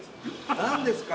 何ですか？